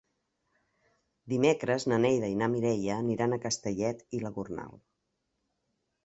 Dimecres na Neida i na Mireia aniran a Castellet i la Gornal.